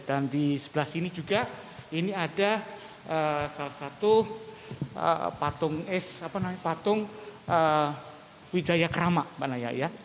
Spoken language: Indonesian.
dan di sebelah sini juga ini ada salah satu patung wijaya krama mbak naya ya